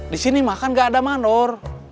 disini makan gak ada mandor